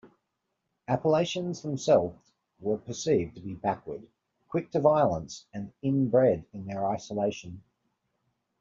Appalachians themselves were perceived as backward, quick to violence and inbred in their isolation.